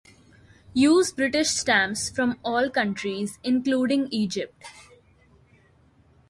Use British stamps from all countries, including Egypt.